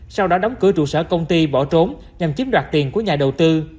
sau đó đóng cửa trụ sở công ty bỏ trốn nhằm chiếm đoạt tiền của nhà đầu tư